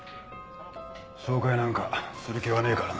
紹介なんかする気はねえからな。